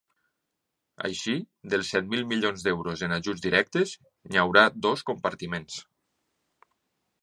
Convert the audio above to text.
Així, dels set mil milions d’euros en ajuts directes, hi haurà dos compartiments.